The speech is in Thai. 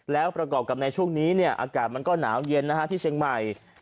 แล้วประกอบกับในช่วงนี้อากาศมันก็หนาวเย็นที่เชียงใหม่